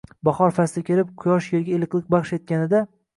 Bahor fasli kelib, quyosh yerga iliqlik baxsh etganida